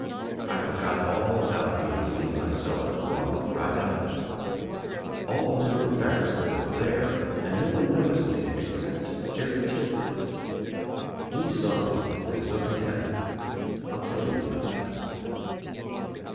I forgot all about being seen myself and walked right up. All the men from Beckersville were there and no one Van you 1 WANT TO KNOW WHY IS and I noticed me except Jerry Tillford. He saw me something happened. I'll tell you about that.